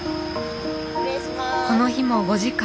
この日も５時間。